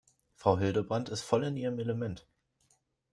Frau Hildebrand ist voll in ihrem Element.